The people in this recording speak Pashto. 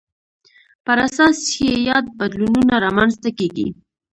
پر اساس یې یاد بدلونونه رامنځته کېږي.